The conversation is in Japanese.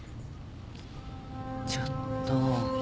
ちょっと。